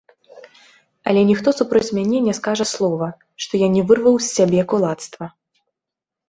Але ніхто супроць мяне не скажа слова, што я не вырваў з сябе кулацтва.